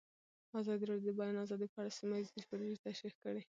ازادي راډیو د د بیان آزادي په اړه سیمه ییزې پروژې تشریح کړې.